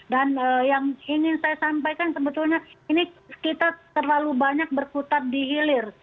dan yang ingin saya sampaikan sebetulnya ini kita terlalu banyak berkutat dihilir